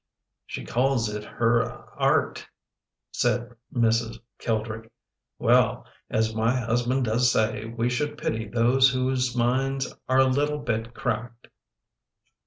"" She calls it her a art," said Mrs. Kildrick. " Well, as my husband does say, we should pity those whose minds are a little bit cracked